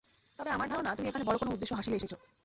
তবে আমার ধারণা তুমি এখানে বড়ো কোনো উদ্দেশ্য হাসিলে এসেছো।